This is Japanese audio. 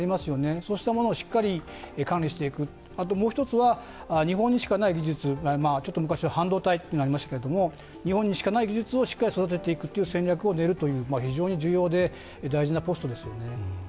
そうしたものをしっかり管理していく、もう一つは、日本にしかない技術ちょっと昔は半導体というのがありましたけれども、日本にしかない技術をしっかり育てていく戦略を練るという非常に重要で大事なポストですけどね。